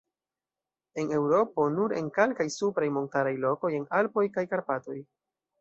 En Eŭropo nur en kalkaj supraj montaraj lokoj en Alpoj kaj Karpatoj.